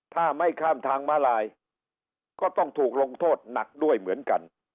ถ้าไม่ข้ามทางมาลายก็ต้องถูกลงโทษหนักด้วยเหมือนกัน